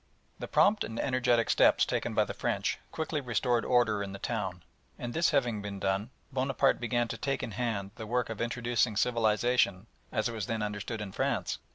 The prompt and energetic steps taken by the French quickly restored order in the town, and this having been done Bonaparte began to take in hand the work of introducing civilisation as it was then understood in France.